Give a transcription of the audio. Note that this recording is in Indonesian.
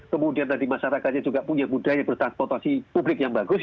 kemudian tadi masyarakatnya juga punya budaya bertransportasi publik yang bagus